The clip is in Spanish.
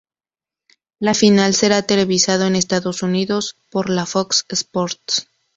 La final será televisado en Estados Unidos por la Fox Sports.